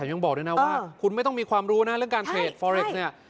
ยังบอกด้วยนะว่าคุณไม่ต้องมีความรู้นะเรื่องการเทรดฟอเร็กซ์เนี่ย